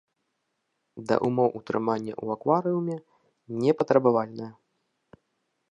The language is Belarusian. Да ўмоў утрымання ў акварыуме непатрабавальная.